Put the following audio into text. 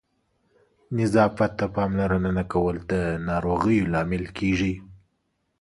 نظافت ته پاملرنه نه کول د ناروغیو لامل کېږي.